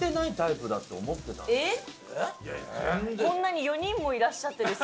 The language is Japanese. こんなに４人もいらっしゃって。